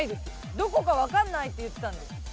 「どこかわかんない」って言ってたんで。